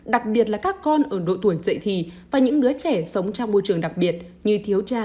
đặc biệt là các con ở độ tuổi dậy thì và những đứa trẻ sống trong môi trường đặc biệt như thiếu cha